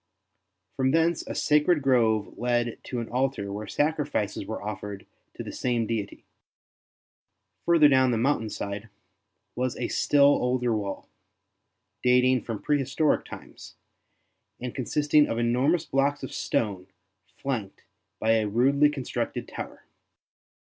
From thence a sacred grove led to an altar where sacrifices were offered to the same deity. Further down the mountain side was a still older wall, dating from prehistoric times, and consisting of enormous blocks of stone flanked by a rudely constructed tower.